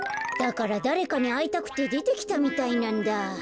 だからだれかにあいたくてでてきたみたいなんだ。